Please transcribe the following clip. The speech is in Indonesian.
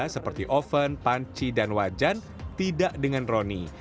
seperti oven panci dan wajan tidak dengan roni